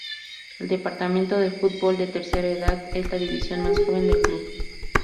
El departamento de fútbol de tercera edad es la división más joven del club.